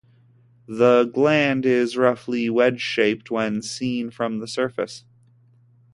The gland is roughly wedge-shaped when seen from the surface.